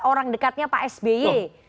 orang dekatnya pak sby